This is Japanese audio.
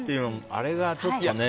あれが、ちょっとね。